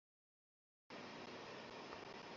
আমার তো মনে হচ্ছে মিমি দিদি, এই ড্রাইভারকে ফাঁসিয়েছে।